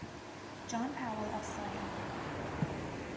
John Powell of Slam!